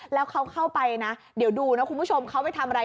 แล้วเขาเข้าไปนะเดี๋ยวดูนะคุณผู้ชมเขาไปทำอะไร